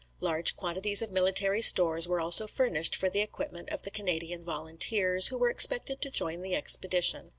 Large quantities of military stores were also furnished for the equipment of the Canadian volunteers, who were expected to join the expedition.